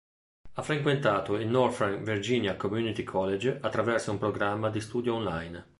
Ha frequentato il Northern Virginia Community College attraverso un programma di studio online.